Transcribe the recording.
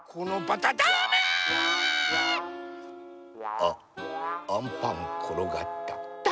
あっアンパンころがった。